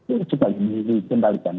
itu harus kita kembalikan